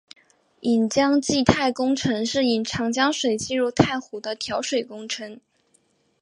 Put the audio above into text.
引江济太工程是引长江水进入太湖的调水工程。